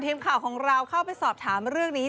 ทีมข่าวของเราเข้าไปสอบถามเรื่องนี้